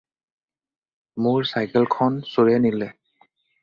মোৰ চাইকেলখন চোৰে নিলে।